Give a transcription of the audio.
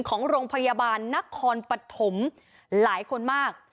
ของโรงพยาบาลนครปฐมหลายคนมาก